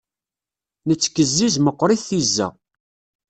Nettkezziz meqrit tizza.